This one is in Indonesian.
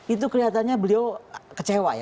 itu kelihatannya beliau kecewa ya